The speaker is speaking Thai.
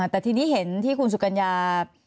แต่ทีนี้เห็นที่คุณสุกัญญา